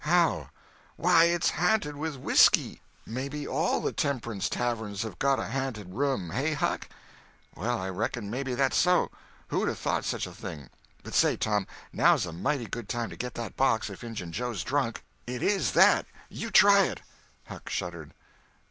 "How?" "Why, it's ha'nted with whiskey! Maybe all the Temperance Taverns have got a ha'nted room, hey, Huck?" "Well, I reckon maybe that's so. Who'd 'a' thought such a thing? But say, Tom, now's a mighty good time to get that box, if Injun Joe's drunk." "It is, that! You try it!" Huck shuddered.